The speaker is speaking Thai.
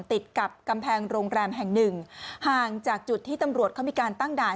ติดกับกำแพงโรงแรมแห่งหนึ่งห่างจากจุดที่ตำรวจเขามีการตั้งด่าน